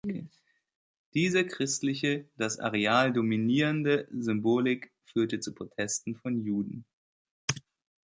Diese christliche, das Areal dominierende Symbolik führte zu Protesten von Juden.